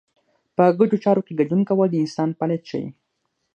په ګډو چارو کې ګډون کول د انسان فعالیت ښيي.